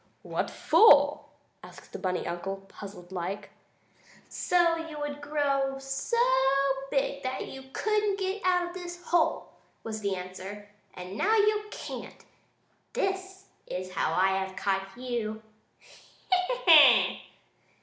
"What for?" asked the bunny uncle, puzzled like. "So you would grow so big that you couldn't get out of this hole," was the answer. "And now you can't! This is how I have caught you! Ha! Ha!"